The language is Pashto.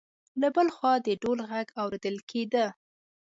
له بل خوا د ډول غږ اورېدل کېده.